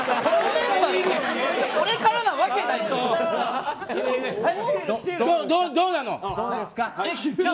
俺からなわけないでしょ。